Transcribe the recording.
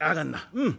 うん」。